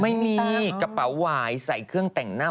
ไม่มีกระเป๋าหวายใส่เครื่องแต่งหน้า